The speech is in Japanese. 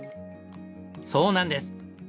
そうなんです！